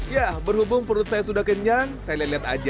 ya berhubung perut saya sudah kenyang saya lihat lihat aja